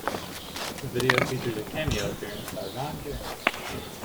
The video features a cameo appearance by Ron Jeremy.